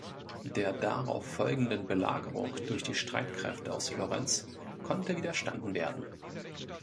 Der darauf folgenden Belagerung durch die Streitkräfte aus Florenz konnte widerstanden werden.